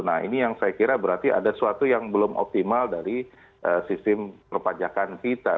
nah ini yang saya kira berarti ada sesuatu yang belum optimal dari sistem perpajakan kita